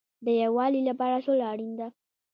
د یووالي لپاره سوله اړین ده